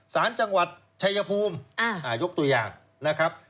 สารจังหวัดชายภูมิยกตัวอย่างนะครับ